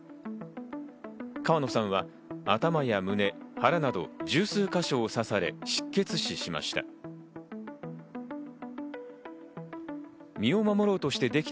川野さんは頭や胸、腹など、十数か所を刺され、失血死しました。